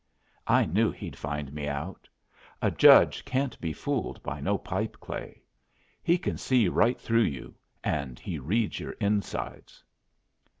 I knew he'd find me out. A judge can't be fooled by no pipe clay. He can see right through you, and he reads your insides.